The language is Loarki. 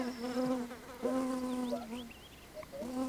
ڪي مني ايڪ وات ھمج ۾ آوي ھي